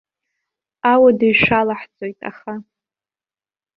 Ауадаҩ шәалаҳҵоит, аха.